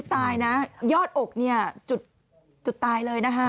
ตายนะยอดอกจุดตายเลยนะคะ